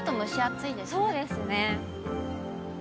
そうですね。